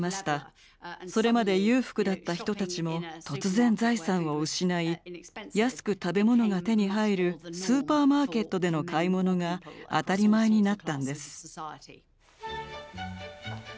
それまで裕福だった人たちも突然財産を失い安く食べ物が手に入るスーパーマーケットでの買い物が当たり前になったんです。